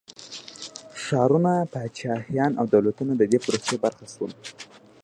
ښارونه، پاچاهيان او دولتونه د دې پروسې برخه شول.